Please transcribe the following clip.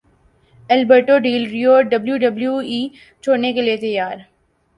Alberto Del Rio W W E چھوڑنے کے لیے تیار